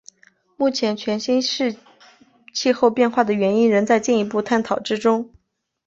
目前全新世气候变化的原因仍在进一步探讨之中。